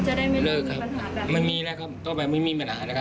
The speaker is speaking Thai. จะได้ไม่มีปัญหาแบบนี้ไม่มีแล้วครับต้องไปไม่มีปัญหานะครับ